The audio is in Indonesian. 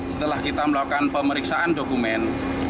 setelah kita melakukan pemeriksaan dokumen